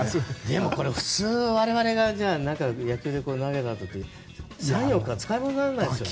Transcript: でもこれ、普通我々が野球で投げたあと３４日使い物にならないですよね。